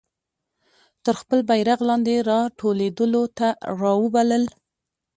تر خپل بیرغ لاندي را ټولېدلو ته را وبلل.